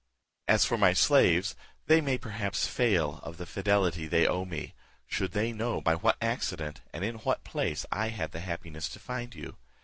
"As for my slaves, they may perhaps fail of the fidelity they owe me, should they know by what accident and in what place I had the happiness to find you.